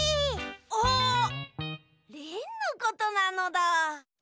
あっリンのことなのだ！